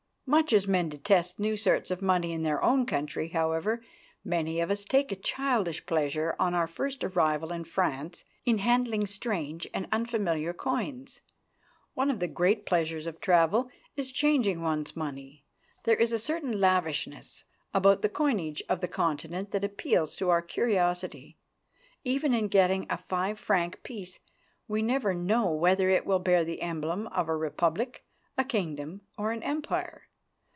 Much as men detest new sorts of money in their own country, however, many of us take a childish pleasure on our first arrival in France in handling strange and unfamiliar coins. One of the great pleasures of travel is changing one's money. There is a certain lavishness about the coinage of the Continent that appeals to our curiosity. Even in getting a five franc piece we never know whether it will bear the emblem of a republic, a kingdom or an empire.